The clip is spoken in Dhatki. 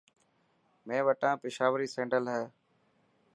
مين وٽا پشاوري سينڊل هي.